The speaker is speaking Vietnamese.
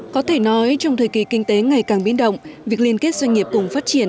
có thể nói trong thời kỳ kinh tế ngày càng biến động việc liên kết doanh nghiệp cùng phát triển